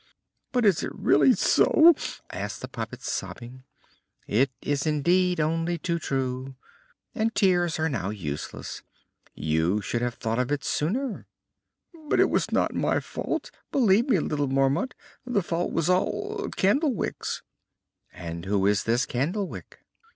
"But is it really so?" asked the puppet, sobbing. "It is indeed only too true! And tears are now useless. You should have thought of it sooner!" "But it was not my fault; believe me, little Marmot, the fault was all Candlewick's!" "And who is this Candlewick?"